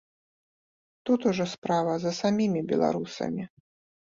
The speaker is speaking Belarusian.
Тут ужо справа за самімі беларусамі.